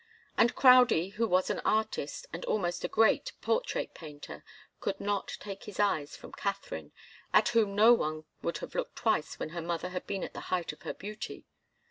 And Crowdie, who was an artist, and almost a great portrait painter, could not take his eyes from Katharine, at whom no one would have looked twice when her mother had been at the height of her beauty.